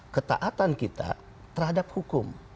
ketaatan kita terhadap hukum